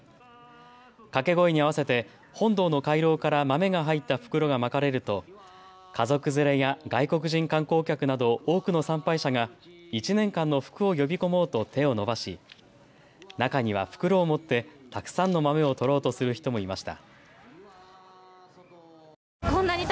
掛け声に合わせて本堂の回廊から豆が入った袋がまかれると家族連れや外国人観光客など多くの参拝者が１年間の福を呼び込もうと手を伸ばし、中には袋を持ってたくさんの豆を取ろうとする人もいました。